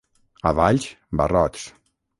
A Valls, barrots.